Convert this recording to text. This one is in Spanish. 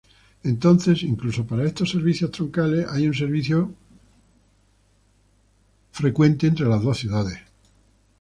Entonces, incluso para estos servicios troncales, hay un servicio frecuente entre las dos ciudades.